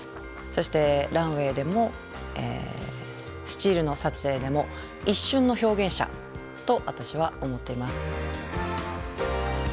そしてランウェイでもスチールの撮影でも一瞬の表現者と私は思っています。